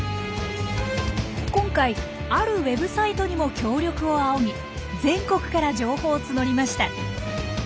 今回あるウェブサイトにも協力を仰ぎ全国から情報を募りました。